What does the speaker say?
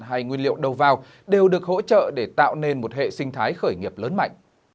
hay nguyên liệu đầu vào đều được hỗ trợ để tạo nên một hệ sinh thái khởi nghiệp lớn mạnh